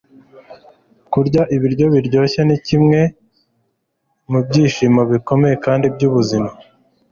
Kurya ibiryo biryoshye nikimwe mubyishimo bikomeye kandi byubuzima